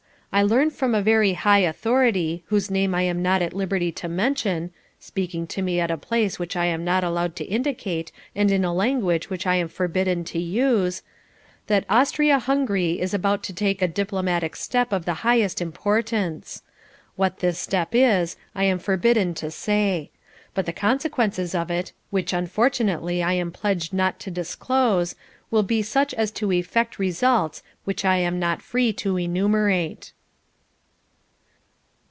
I learn from a very high authority, whose name I am not at liberty to mention, (speaking to me at a place which I am not allowed to indicate and in a language which I am forbidden to use) that Austria Hungary is about to take a diplomatic step of the highest importance. What this step is, I am forbidden to say. But the consequences of it which unfortunately I am pledged not to disclose will be such as to effect results which I am not free to enumerate."